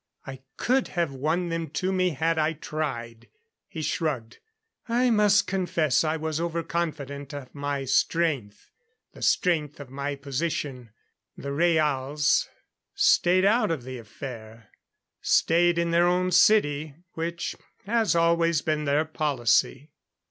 I could have won them to me had I tried." He shrugged. "I must confess I was over confident of my strength the strength of my position. The Rhaals stayed out of the affair stayed in their own city, which has always been their policy.